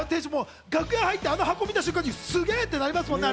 楽屋入ってあの箱見た瞬間にすげぇ！ってなるもんね。